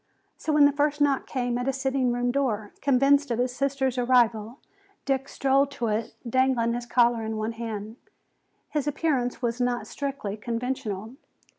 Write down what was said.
So when the first knock came at his sitting room door, convinced of his sister's arrival, Dick strode to it, dangling his collar in his hand. His appearance was not strictly conventional.